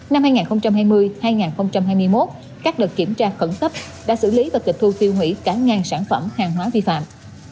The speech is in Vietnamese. năm hai nghìn hai mươi hai nghìn hai mươi một các đợt kiểm tra khẩn cấp đã xử lý và tịch thu tiêu hủy cả ngàn sản phẩm hàng hóa vi phạm